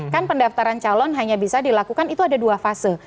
kan pendaftaran calon hanya bisa dilakukan itu ada dua fase